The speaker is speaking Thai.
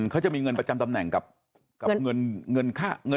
เขาจะมีเงินประจำตำแหน่งกับเงินค่าเงิน